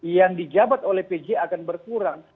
yang dijabat oleh pj akan berkurang